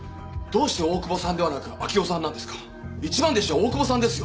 一番弟子は大久保さんですよ？